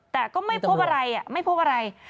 แต่ก็ไม่พบอะไรไม่พบอะไร